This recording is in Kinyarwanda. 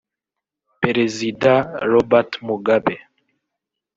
Perezida Robert Mugabe